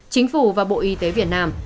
chính phủ và bộ y tế việt nam